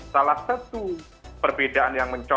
salah satu perbedaan yang mencoba